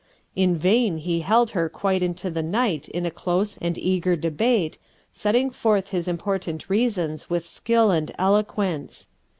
In vain he held her quite into the night in a close and eager debate, setting forth his important reasons with skill and eloquence.